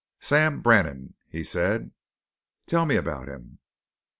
"'Sam Brannan,' he said. "'Tell me about him.'